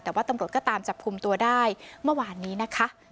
แต่ว่าตำรวจก็ตามจับกลุ่มตัวได้เมื่อวานนี้นะคะ